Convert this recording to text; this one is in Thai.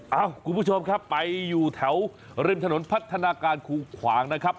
เอ้าคุณผู้ชมครับไปอยู่แถวริมถนนพัฒนาการคูขวางนะครับ